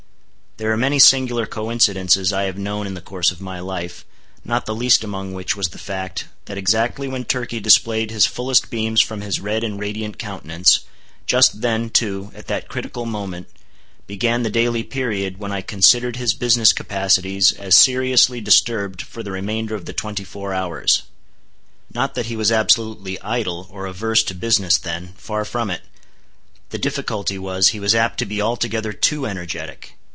There are many singular coincidences I have known in the course of my life, not the least among which was the fact, that exactly when Turkey displayed his fullest beams from his red and radiant countenance, just then, too, at that critical moment, began the daily period when I considered his business capacities as seriously disturbed for the remainder of the twenty four hours. Not that he was absolutely idle, or averse to business then; far from it. The difficulty was, he was apt to be altogether too energetic.